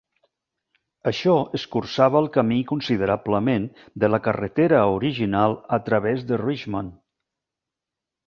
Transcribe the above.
Això escurçava el camí considerablement de la carretera original a través de Richmond.